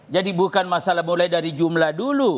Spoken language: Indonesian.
jadi bukan masalah mulai dari jumlah dulu